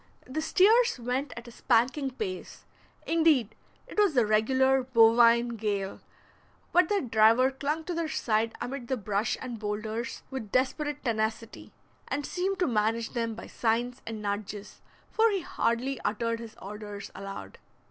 The steers went at a spanking pace; indeed, it was a regular bovine gale; but their driver clung to their side amid the brush and boulders with desperate tenacity, and seemed to manage them by signs and nudges, for he hardly uttered his orders aloud.